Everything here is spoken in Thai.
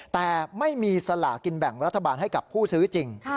แต่ไม่มีสลากินแบ่งรัฐบาลให้กับผู้ซื้อจริง